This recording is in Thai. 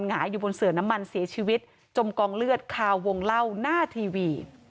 หงายอยู่บนเสือน้ำมันเสียชีวิตจมกองเลือดคาวงเล่าหน้าทีวี